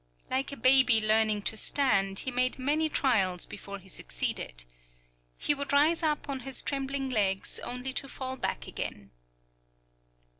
Like a baby learning to stand, he made many trials before he succeeded. He would rise up on his trembling legs only to fall back again.